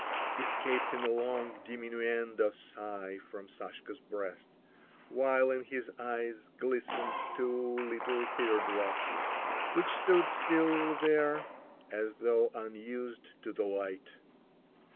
"A h h!" escaped in a long diminuendo sigh from Sashka's breast, while in his eyes glistened two little tear drops, which stood still there as though unused to the light.